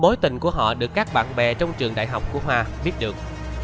mối tình của họ được các bạn bè trong trường đại học của hoa viết được